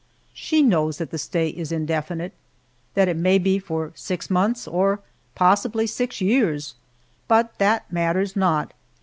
She knows that the stay is indefinite, that it may be for six months, or possibly six years, but that matters not.